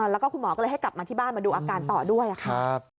แล้วก็คุณหมอก็เลยให้กลับมาที่บ้านมาดูอาการต่อด้วยค่ะ